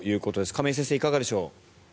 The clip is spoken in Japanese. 亀井先生、いかがでしょう。